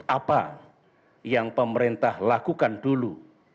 apa yang pemerintah lakukan dulu